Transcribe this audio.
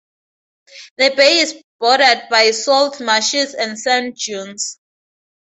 The bay is bordered by salt marshes and sand dunes.